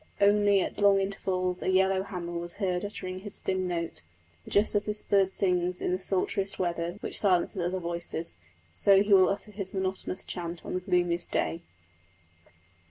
Only at long intervals a yellow hammer was heard uttering his thin note; for just as this bird sings in the sultriest weather which silences other voices, so he will utter his monotonous chant on the gloomiest day.